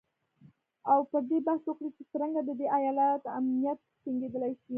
او پر دې بحث وکړي چې څرنګه د دې ایالت امنیت ټینګیدلی شي